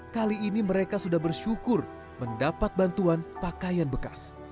kali ini mereka sudah bersyukur mendapat bantuan pakaian bekas